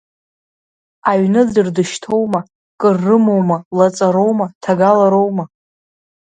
Аҩны ӡәыр дышьҭоума, кыр рымоума, лаҵароума, ҭагалароума…